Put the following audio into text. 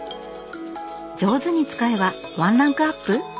上手に使えばワンランクアップ！？